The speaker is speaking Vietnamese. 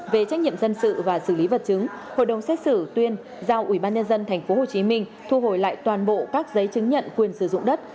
về trách nhiệm dân sự và xử lý vật chứng hội đồng xét xử tuyên giao ubnd tp hcm thu hồi lại toàn bộ các giấy chứng nhận quyền sử dụng đất